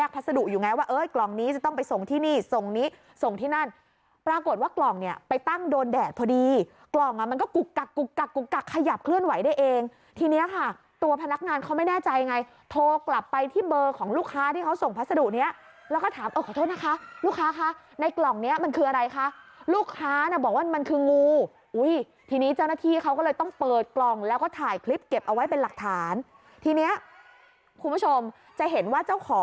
เป็นถุงค่ะเป็นลักษณะเหมือนถุงผ้านะ